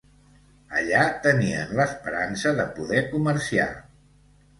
Allà tenien l'esperança de poder comerciar.